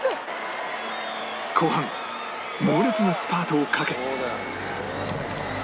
後半猛烈なスパートをかけ